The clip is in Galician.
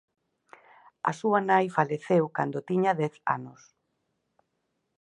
A súa nai faleceu cando tiña dez anos.